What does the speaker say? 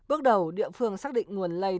bước đầu địa phương xác định nguồn lây